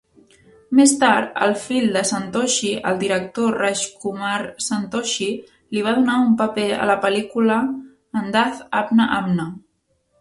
Més tard, el fill de Santoshi, el director Rajkumar Santoshi, li va donar un paper a la pel·lícula "Andaz Apna Apna".